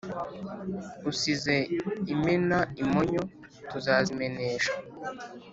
Usize imena imonyo tuzazimenesha.